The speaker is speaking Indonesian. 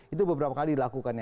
itu beberapa kali dilakukannya